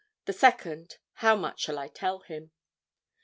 the second, how much shall I tell him?